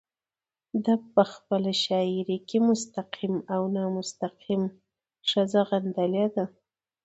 ده په خپله شاعرۍ کې مستقيم او نامستقيم ښځه غندلې ده